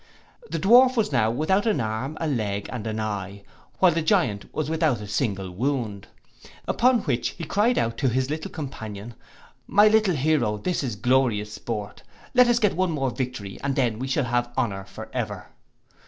The Dwarf was now without an arm, a leg, and an eye, while the Giant was without a single wound. Upon which he cried out to his little companion, My little heroe, this is glorious sport; let us get one victory more, and then we shall have honour for ever.